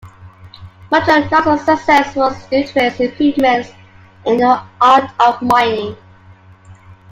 Much of Nixon's success was due to his improvements in the art of mining.